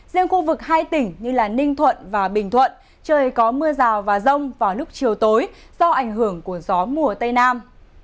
riêng khu vực hai tỉnh như ninh thuận và bình thuận trời có mưa rào và rông vào lúc chiều tối do ảnh hưởng của gió mùa tây nam